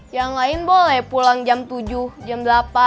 yang lain boleh pulang jam tujuh jam delapan